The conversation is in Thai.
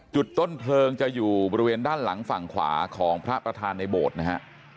จุดต้นเพลิงจะอยู่บริเวณด้านหลังฝั่งขวาของพระประธานในโบสถ์นะฮะ